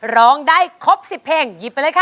ร้องได้ครบ๑๐เพลงหยิบไปเลยค่ะ